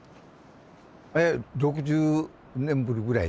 ６０年ぶりぐらい？